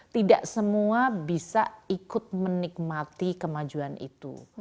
tidak semua bisa ikut menikmati kemajuan itu